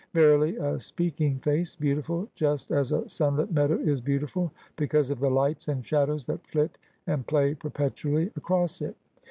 Verily a speaking face — beautiful just as a sunlit meadow is beautiful, because of the lights and shadows that fiit and play perpetually across it.